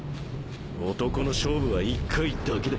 男の勝負は１回だけだ。